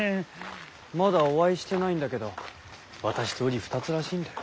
まだお会いしてないんだけど私とうり二つらしいんだよ。